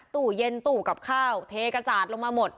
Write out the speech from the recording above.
ตู้เย็นตู้กับข้าวเทกระจาดลงมาหมด